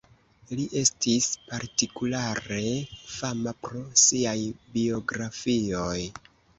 Li estis partikulare fama pro siaj biografioj.